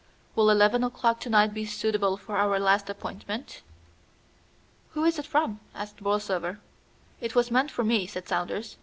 "Will eleven o'clock to night be suitable for our last appointment?" "Who is it from?" asked Borlsover. "It was meant for me," said Saunders.